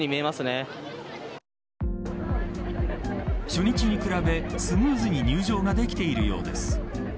初日に比べスムーズに入場ができているようです。